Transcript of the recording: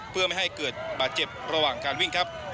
เพื่อไม่ให้เกิดบาดเจ็บระหว่างการวิ่งครับ